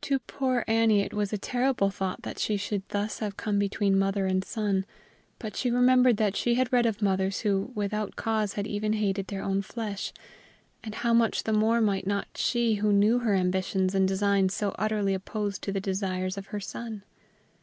To poor Annie it was a terrible thought that she should thus have come between mother and son; but she remembered that she had read of mothers who without cause had even hated their own flesh, and how much the more might not she who knew her ambitions and designs so utterly opposed to the desires of her son?